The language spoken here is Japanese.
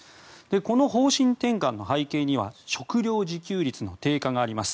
この方針転換の背景には食料自給率の低下があります。